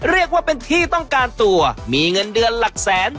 เรียกว่าเป็นที่ต้องการตัวมีเงินเดือนหลักแสน